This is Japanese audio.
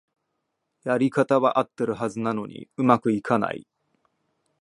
やり方はあってるはずなのに上手くいかない